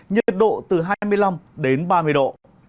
nhiệt độ từ hai mươi năm ba mươi độ